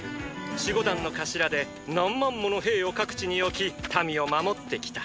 守護団の頭で何万もの兵を各地に置き民を守ってきた！